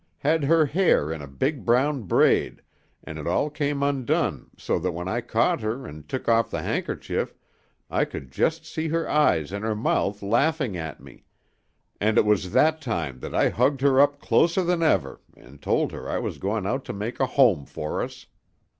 Had her hair in a big brown braid, an' it all came undone so that when I caught her an' took off the handkerchief I could just see her eyes an' her mouth laughing at me, and it was that time I hugged her up closer than ever and told her I was going out to make a home for us.